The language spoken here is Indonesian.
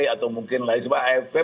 atau mungkin lain sebagainya